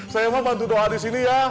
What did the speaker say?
saya mah bantu doa disini ya